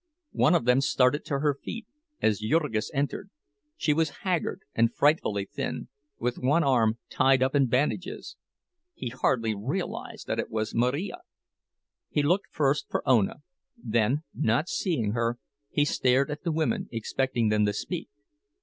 One of them started to her feet as Jurgis entered; she was haggard and frightfully thin, with one arm tied up in bandages—he hardly realized that it was Marija. He looked first for Ona; then, not seeing her, he stared at the women, expecting them to speak.